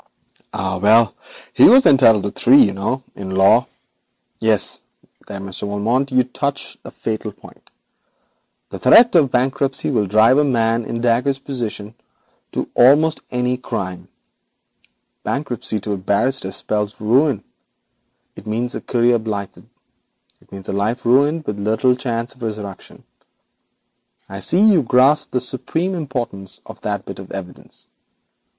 'Ah, well, he was entitled to three, you know, in law. Yes, there, Monsieur Valmont, you touch the fatal point. The threat of bankruptcy will drive a man in Dacre's position to almost any crime. Bankruptcy to a barrister means ruin. It means a career blighted; it means a life buried, with little chance of resurrection. I see, you grasp the supreme importance of that bit of evidence.